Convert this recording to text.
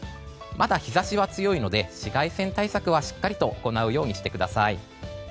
まだ日差しは強いので紫外線対策はしっかりと行うようにしてください。